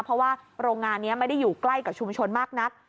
เพราะว่าโรงงานนี้ไม่ได้อยู่ใกล้กับชุมชนมากนัก